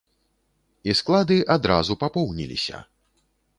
І склады адразу папоўніліся!